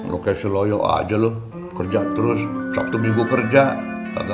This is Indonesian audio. lo kayak si loyong aja lo kerja terus sabtu minggu kerja gak ada liburannya